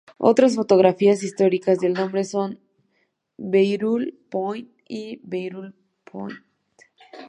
Otras ortografías históricas del nombre son "Breuil Pont" y "Breuil-Pont".